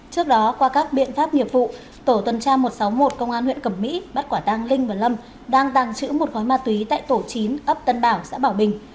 trước đó qua các biện pháp nghiệp vụ tổ tuần tra một trăm sáu mươi một công an huyện cẩm mỹ bắt quả tàng linh và lâm đang tàng trữ một gói ma túy tại tổ chín ấp tân bảo xã bảo bình